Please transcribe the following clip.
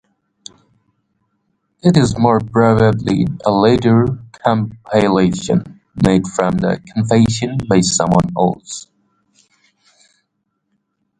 It is more probably a later compilation made from the Confession by someone else.